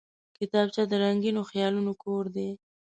کتابچه د رنګینو خیالونو کور دی